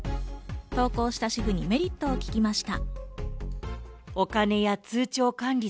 投稿した主婦にメリットを聞きました。